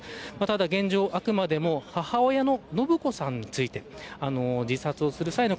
現状はあくまでも母親の延子さんについて自殺する際に